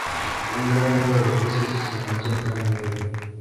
Un gran número de peces se concentran en ella.